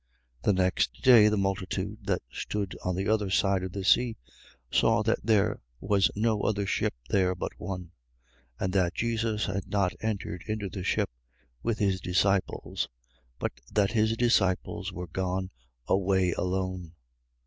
6:22. The next day, the multitude that stood on the other side of the sea saw that there was no other ship there but one: and that Jesus had not entered into the ship with his disciples, but that his disciples were gone away alone.